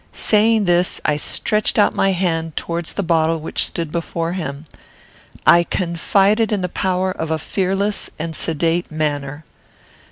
Saying this, I stretched out my hand towards the bottle which stood before him. I confided in the power of a fearless and sedate manner.